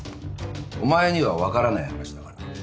お前には分からない話だから。